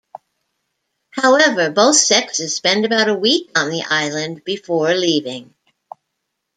However, both sexes spend about a week on the island before leaving.